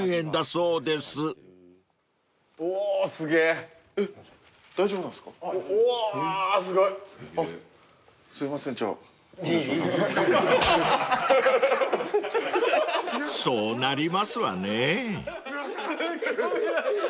［そうなりますわね］